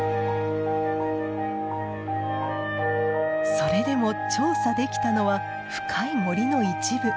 それでも調査できたのは深い森の一部。